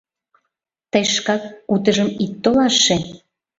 — Тый шкак утыжым ит толаше...